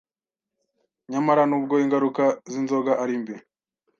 Nyamara nubwo ingaruka z’inzoga ari mbi